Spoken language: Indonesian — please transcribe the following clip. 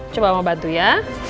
coba om bantu ya